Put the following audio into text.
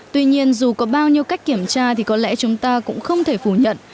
tuy nhiên dù có bao nhiêu cách kiểm tra thì có lẽ chúng ta cũng không thể phủ nhận